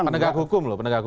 penegak hukum loh